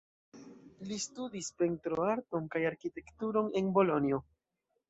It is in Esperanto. Li studis pentrarton kaj arkitekturon en Bolonjo.